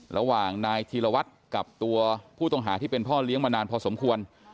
ระหว่างนายธีรวัตรกับตัวผู้ต้องหาที่เป็นพ่อเลี้ยงมานานพอสมควร